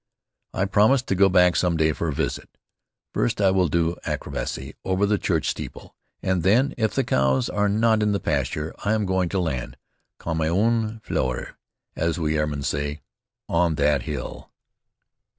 I promised to go back some day for a visit. First I will do acrobacy over the church steeple, and then, if the cows are not in the pasture, I am going to land, comme une fleur, as we airmen say, on that hill.